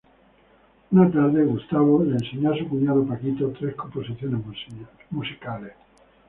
Una tarde, Gustavo le enseñó a su cuñado Paquito tres composiciones musicales.